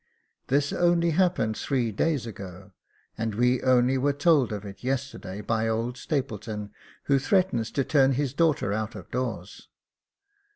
This only happened three days ago, and we only were told of it yesterday by old Stapleton, who threatens to turn his daughter out of doors."